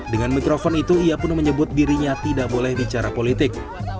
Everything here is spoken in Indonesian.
dengan mikrofon itu ia pun menyebut dirinya tidak boleh bicara politik